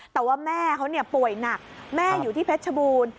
แต่ว่าแม่เขาป่วยหนักแม่อยู่ที่เพชรชบูรณ์